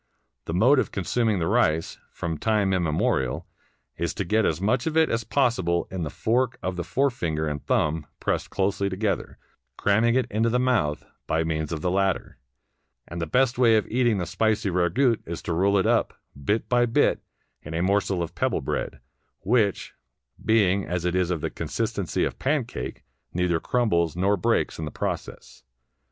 The mode of consuming the rice, from time immemorial, is to get as much of it as possible in the fork of the forefinger and thumb pressed closely together, cramming it into the mouth by means of the latter; and the best way of eating the spicy ragout is to roll it up, bit by bit, in a morsel of pebble bread, which, being as it is of the consistency of pancake, neither crumbles nor breaks in the process.